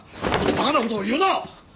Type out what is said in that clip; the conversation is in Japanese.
バカな事を言うな！